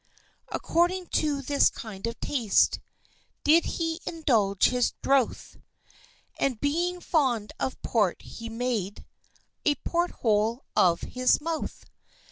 According to this kind of taste Did he indulge his drouth, And being fond of Port, he made A port hole of his mouth!